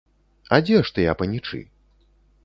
А дзе ж тыя панічы?